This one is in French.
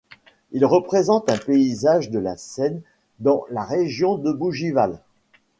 Il représente un paysage de la Seine dans la région de Bougival.